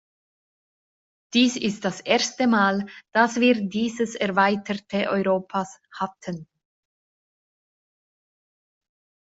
Dies ist das erste Mal, das wir dieses erweiterte Europas hatten.